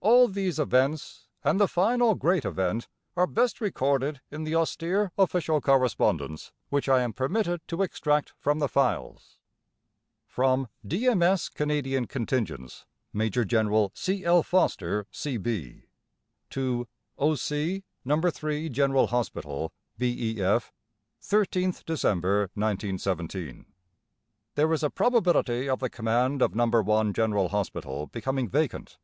All these events, and the final great event, are best recorded in the austere official correspondence which I am permitted to extract from the files: From D.M.S. Canadian Contingents. (Major General C. L. Foster, C.B.). To O.C. No. 3 General Hospital, B.E.F., 13th December, 1917: There is a probability of the command of No. 1 General Hospital becoming vacant.